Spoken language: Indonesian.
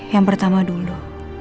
yang pertama dulu